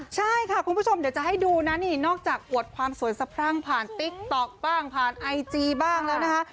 ใช่ค่ะคุณผู้ชมเดี๋ยวจะให้ดูนะนี่นอกจากอวดความสวยสะพรั่งผ่านติ๊กต๊อกบ้างผ่านไอจีบ้างแล้วนะคะ